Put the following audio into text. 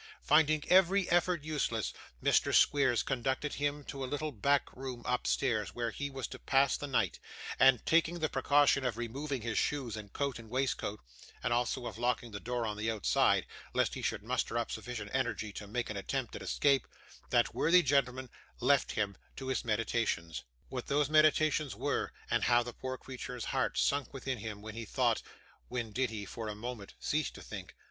Finding every effort useless, Mr Squeers conducted him to a little back room up stairs, where he was to pass the night; and, taking the precaution of removing his shoes, and coat and waistcoat, and also of locking the door on the outside, lest he should muster up sufficient energy to make an attempt at escape, that worthy gentleman left him to his meditations. What those meditations were, and how the poor creature's heart sunk within him when he thought when did he, for a moment, cease to think?